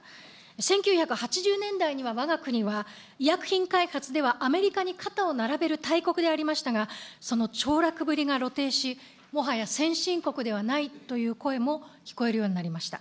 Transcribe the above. １９８０年代にはわが国は医薬品開発ではアメリカに肩を並べる大国でありましたが、そのちょう落ぶりが露呈し、もはや先進国ではないという声も聞こえるようになりました。